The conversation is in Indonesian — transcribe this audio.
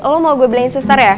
lo mau gue beliin suster ya